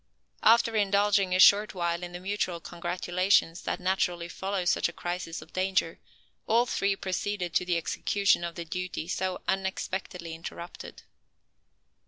After indulging a short while in the mutual congratulations that naturally follow such a crisis of danger, all three proceeded to the execution of the duty so unexpectedly interrupted.